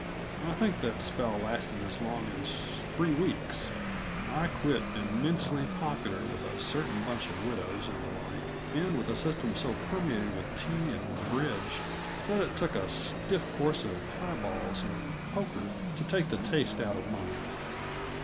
I think that spell lasted as long as three weeks; I quit immensely popular with a certain bunch of widows and the like, and with a system so permeated with tea and bridge that it took a stiff course of high balls and poker to take the taste out of my mouth.